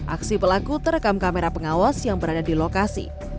aksi pelaku terekam kamera pengawas yang berada di lokasi